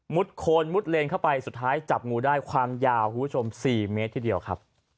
มุดโคนมุดเลนเข้าไปสุดท้ายจับงูได้ความยาว๔เมตรที่เดียวครับ